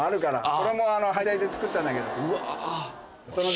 これも端材で作ったんだけど。